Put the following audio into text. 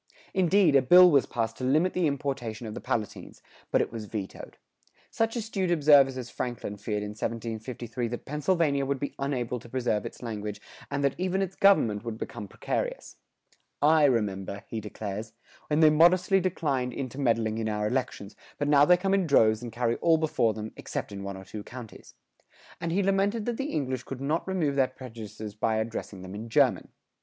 Indeed, a bill was passed to limit the importation of the Palatines, but it was vetoed.[109:3] Such astute observers as Franklin feared in 1753 that Pennsylvania would be unable to preserve its language and that even its government would become precarious.[109:4] "I remember," he declares, "when they modestly declined intermeddling in our elections, but now they come in droves and carry all before them, except in one or two counties;" and he lamented that the English could not remove their prejudices by addressing them in German.